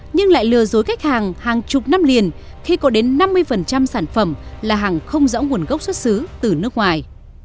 nhưng lại lừa dối khách hàng hàng chục năm liền khi có đến năm mươi sản phẩm là hàng không rõ nguồn gốc xuất xứ từ nước ngoài